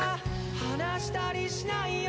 「離したりしないよ」